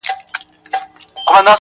o د مېلمه جواب پاتى دئ.